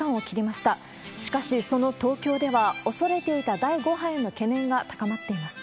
しかし、その東京では、恐れていた第５波への懸念が高まっています。